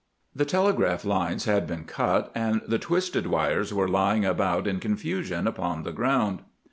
The telegraph lines had been cut, and the twisted wires were lying about in confusion upon the ground.